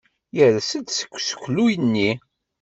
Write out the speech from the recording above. Yers-d seg useklu-nni.